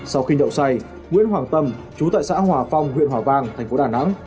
sau khi nhậu say nguyễn hoàng tâm chú tại xã hòa phong huyện hòa vang thành phố đà nẵng